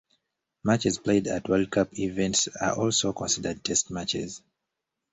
Matches played at World Cup events are also considered Test matches.